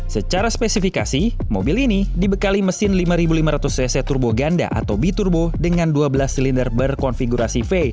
secara spesifikasi mobil ini dibekali mesin lima lima ratus cc turbo ganda atau b turbo dengan dua belas silinder berkonfigurasi v